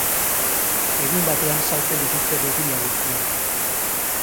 Egun batean saltzen dituzte botila guztiak.